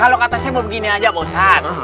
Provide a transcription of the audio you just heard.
kalau kata saya mau begini aja bosan